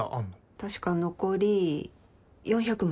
確か残り４００万。